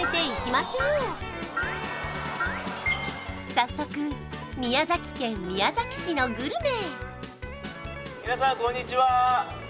早速宮崎県宮崎市のグルメ！